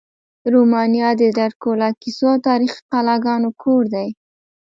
رومانیا د ډرکولا کیسو او تاریخي قلاګانو کور دی.